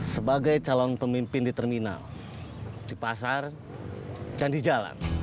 sebagai calon pemimpin di terminal di pasar candi jalan